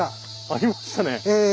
ありましたね。